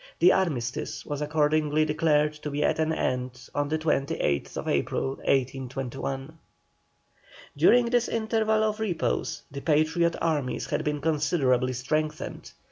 The armistice was accordingly declared to be at an end on the 28th April, 1821. During this interval of repose the Patriot armies had been considerably strengthened.